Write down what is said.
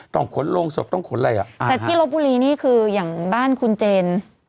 ต้องขนลงศพต้องขนไรอ่าแต่ที่รถบุหรี่นี่คืออย่างบ้านคุณเจน